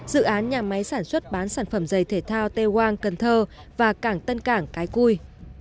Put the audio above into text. dự án nhà máy sản xuất bán sản phẩm giày thể thao tewang cần thơ và cảng tân cảng cái cui